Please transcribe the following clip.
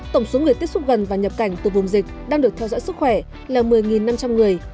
tổng số người tiếp xúc gần và nhập cảnh từ vùng dịch đang được theo dõi sức khỏe là một mươi năm trăm linh người